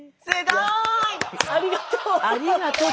ありがとう！